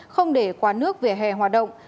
không để quá nước về hè hoạt động